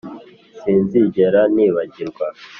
sinzigera nibagirwa